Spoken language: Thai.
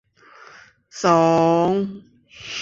สอง